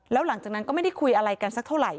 แล้วหลังจากนั้นก็ไม่ได้คุยอะไรกันสักเท่าไหร